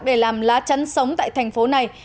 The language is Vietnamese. để làm lá chắn sống tại thành phố này